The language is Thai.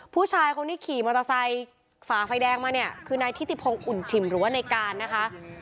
ผู้ชายคนที่ขี่มอเตอร์ไซค์ฝ่าไฟแดงมาเนี่ยคือนายทิติพงศ์อุ่นฉิมหรือว่าในการนะคะ